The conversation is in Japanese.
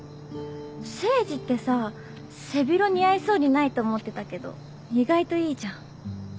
誠治ってさ背広似合いそうにないと思ってたけど意外といいじゃん。